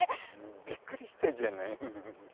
びっくりしたじゃないふふふっ。